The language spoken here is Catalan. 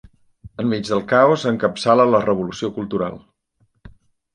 Enmig del caos encapçala la Revolució cultural.